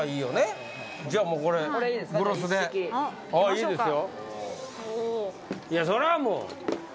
いいですよ。